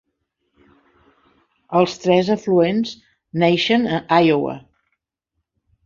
Els tres afluents neixen a Iowa.